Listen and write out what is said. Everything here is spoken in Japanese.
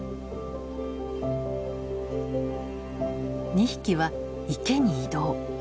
２匹は池に移動。